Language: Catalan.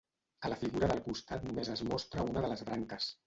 A la figura del costat només es mostra una de les branques.